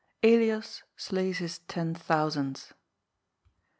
ELIAS SLAYS HIS TEN THOUSANDS.